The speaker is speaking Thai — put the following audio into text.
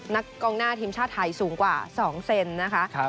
กองหน้าทีมชาติไทยสูงกว่า๒เซนนะคะ